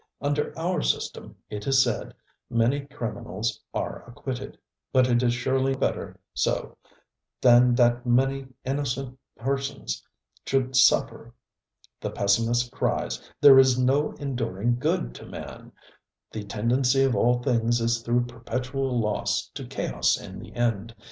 Under our system, it is said, many criminals are acquitted; but it is surely better so than that many innocent persons should suffer. The pessimist cries, ŌĆ£There is no enduring good in man! The tendency of all things is through perpetual loss to chaos in the end.